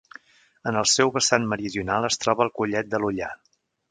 En el seu vessant meridional es troba el Collet de l'Ullar.